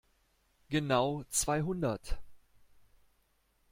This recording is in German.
Genau zweihundert.